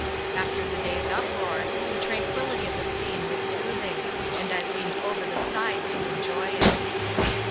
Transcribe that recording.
After the day's uproar, the tranquillity of the scene was soothing, and I leaned over the side to enjoy it.